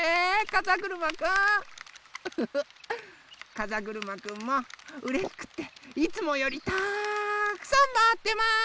かざぐるまくんもうれしくっていつもよりたくさんまわってます！